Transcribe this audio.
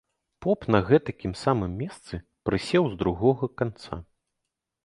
Поп на гэтакім самым месцы прысеў з другога канца.